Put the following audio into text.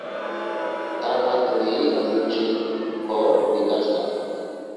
তার হাত ধরেই মৃৎশিল্প বিকাশ লাভ করে।